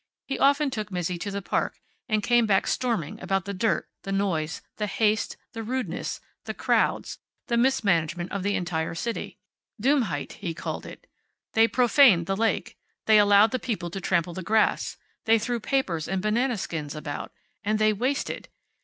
He often took Mizzi to the park and came back storming about the dirt, the noise, the haste, the rudeness, the crowds, the mismanagement of the entire city. Dummheit, he called it. They profaned the lake. They allowed the people to trample the grass. They threw papers and banana skins about. And they wasted!